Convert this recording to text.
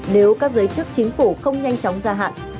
nếu các giới chức chính phủ không nhanh chóng gia hạn